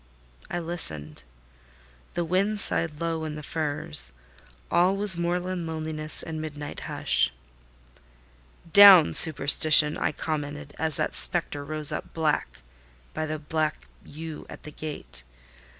I listened. The wind sighed low in the firs: all was moorland loneliness and midnight hush. "Down superstition!" I commented, as that spectre rose up black by the black yew at the gate.